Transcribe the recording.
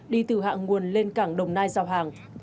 đi từ hạ nguồn lên cảng đồng nai giao hàng